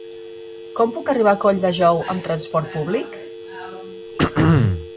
Com puc arribar a Colldejou amb trasport públic?